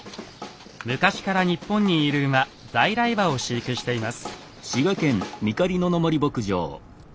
昔から日本にいる馬在来馬を飼育しています。